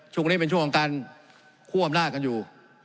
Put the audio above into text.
ช่วงนี้เป็นช่วงของการคั่วอำนาจกันอยู่